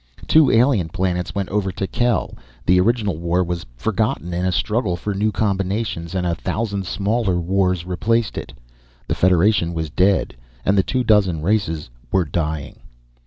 Two alien planets went over to Kel. The original war was forgotten in a struggle for new combinations, and a thousand smaller wars replaced it. The Federation was dead and the two dozen races were dying.